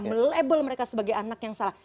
me label mereka sebagai anak yang salah